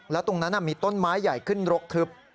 แล้วตรงนั้นมีต้นไม้ใหญ่ขึ้นรกทึบ